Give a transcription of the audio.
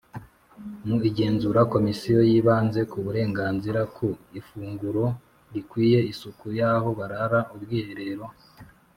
Mu igenzura Komisiyo yibanze ku burenganzira ku ifunguro rikwiye isuku y aho barara ubwiherero